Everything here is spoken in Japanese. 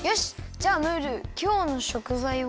じゃあムールきょうのしょくざいを。